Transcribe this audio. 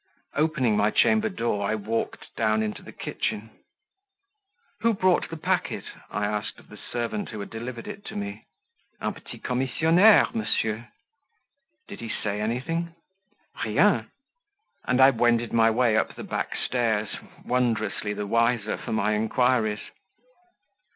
Opening my chamber door I walked down into the kitchen. "Who brought the packet?" I asked of the servant who had delivered it to me. "Un petit commissionaire, monsieur." "Did he say anything?" "Rien." And I wended my way up the back stairs, wondrously the wiser for my inquiries.